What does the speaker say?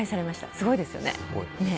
すごいですね。